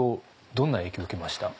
どんな影響を受けました？